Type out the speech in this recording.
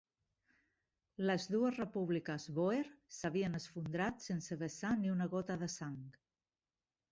Les dues repúbliques bòer s'havien esfondrat sense vessar ni una gota de sang.